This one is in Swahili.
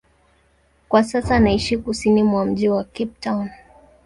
Kwa sasa anaishi kusini mwa mji wa Cape Town.